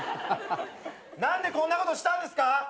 何でこんなことしたんですか？